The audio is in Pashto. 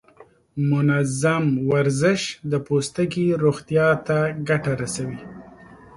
منظم ورزش د پوستکي روغتیا ته ګټه رسوي.